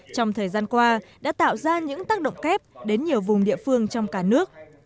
trong thời gian qua đã tạo ra những tác động kép đến nhiều vùng địa phương trong cả nước